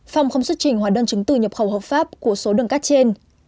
phong không xuất trình hóa đơn chứng từ nhập khẩu hợp pháp của số đường cát trên